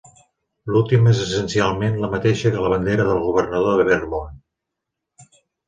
L'últim és essencialment la mateixa que la bandera del governador de Vermont.